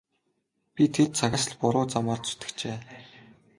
Би тэр цагаас л буруу замаар зүтгэжээ.